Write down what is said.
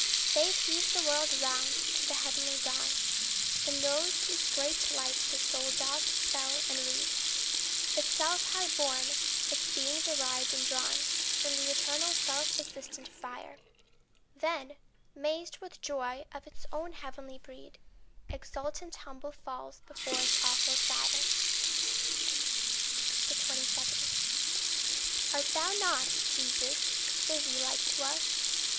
Faith heaves the world round to the heavenly dawn, In whose great light the soul doth spell and read Itself high born, its being derived and drawn From the eternal self existent fire; Then, mazed with joy of its own heavenly breed, Exultant humble falls before its awful sire. 22. Art thou not, Jesus, busy like to us?